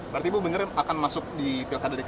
berarti ibu benar akan masuk di pilkada dki